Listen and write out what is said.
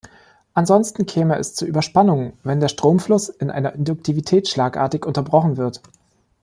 Ansonsten käme es zu Überspannungen, wenn der Stromfluss in einer Induktivität schlagartig unterbrochen wird.